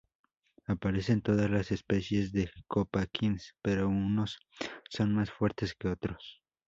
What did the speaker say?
Aparecen todas las especies de Koopa kids pero unos son más fuertes que otros.